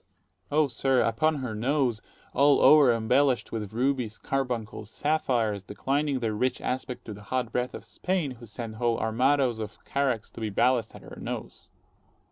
_ Oh, sir, upon her nose, all o'er embellished with rubies, carbuncles, sapphires, declining their rich aspect to the hot breath of Spain; who sent whole armadoes of caracks to be ballast at her nose.